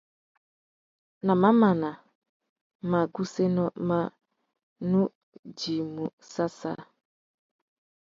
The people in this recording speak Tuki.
Nà mamana, magussénô mà nu djïmú săssā.